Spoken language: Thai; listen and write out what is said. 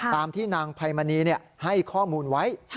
ตามที่นางไพมณีให้ข้อมูลไว้